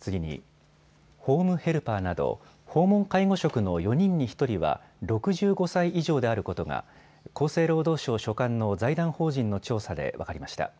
次に、ホームヘルパーなど訪問介護職の４人に１人は６５歳以上であることが厚生労働省所管の財団法人の調査で分かりました。